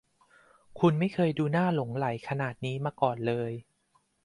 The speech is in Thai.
คุณไม่เคยดูน่าหลงใหลขนาดนี้มาก่อนเลย